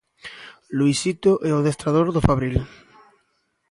Luisito é o adestrador do Fabril.